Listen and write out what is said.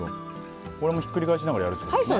これもひっくり返しながらやるってことですね。